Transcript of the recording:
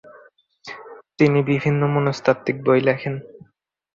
তিনি বিভিন্ন মনস্তাত্ত্বিক বই লেখেন।